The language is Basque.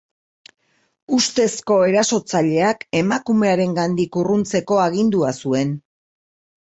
Ustezko erasotzailea emakumearengandik urruntzeko agindua zuen.